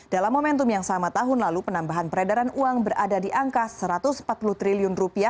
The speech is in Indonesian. dalam momentum yang sama tahun lalu penambahan peredaran uang berada di angka rp satu ratus empat puluh triliun